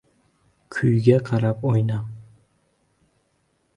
• Kuyga qarab o‘yna.